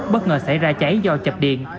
bất ngờ xảy ra cháy do chập điện